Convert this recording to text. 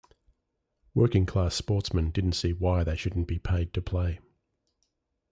Working class sportsmen didn't see why they shouldn't be paid to play.